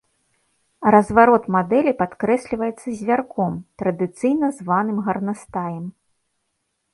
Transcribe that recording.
Разварот мадэлі падкрэсліваецца звярком, традыцыйна званым гарнастаем.